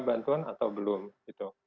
bantuan atau belum gitu